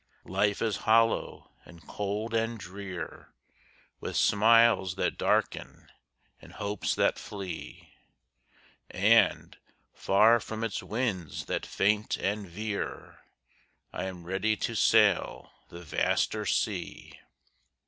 Life is hollow and cold and drear With smiles that darken and hopes that flee; And, far from its winds that faint and veer, I am ready to sail the vaster sea!